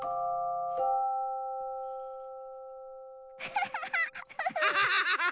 ハハハハハ！